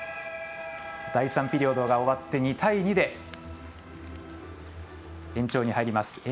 第３ピリオドが終わって２対２で延長に入ります。